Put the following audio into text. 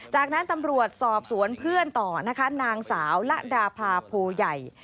จากนั้นตำรวจสอบสวนเพื่อนต่อนะคะนางสาวละดาพาโพใหญ่